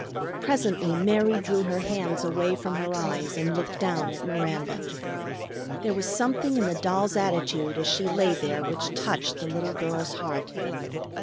Presently Mary drew her hands away from her eyes and looked down at Miranda. There was something in the doll's attitude as she lay there which touched the little girl's heart.